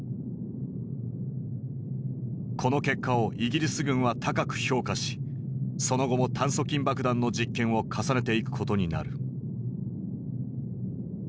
この結果をイギリス軍は高く評価しその後も炭疽菌爆弾の実験を重ねていくことになる。